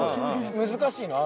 難しいの？